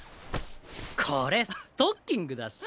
これストッキングだし。